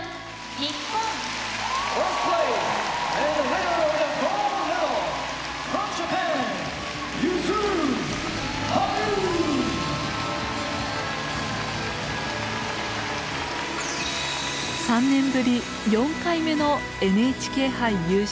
３年ぶり４回目のＮＨＫ杯優勝です。